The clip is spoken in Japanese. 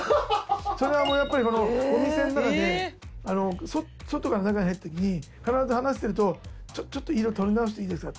それはもうやっぱりお店の中で外から中に入った時に必ず話してると「ちょっと色撮り直していいですか？」